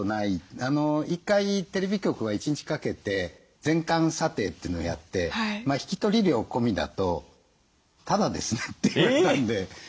１回テレビ局が１日かけて全館査定というのをやって引き取り料込みだとタダですねって言われたんで。